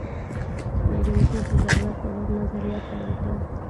ملګرتوب د ضرورت په باب نظریات بیان کړل.